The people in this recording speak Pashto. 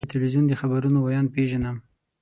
زه د تلویزیون د خبرونو ویاند پیژنم.